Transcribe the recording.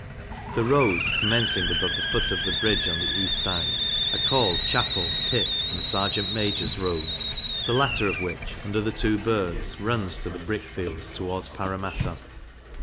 The rows, commencing above the foot of the Bridge, on the east side, are called Chapel, Pitt's, and Serjeant Major's rows, the latter of which, under the two birds, runs to the Brick fields, towards Parramatta.